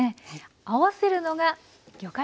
合わせるのが魚介ですね。